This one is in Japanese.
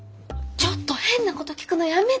ちょっと変なこと聞くのやめてよ！